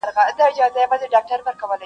قومندان سره خبري کوي او څه پوښتني کوي,